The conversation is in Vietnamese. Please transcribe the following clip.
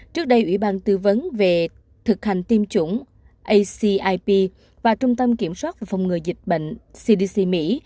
trước đây ủy ban tư vấn về thực hành tiêm chủng acip và trung tâm kiểm soát phòng ngừa dịch bệnh cdc mỹ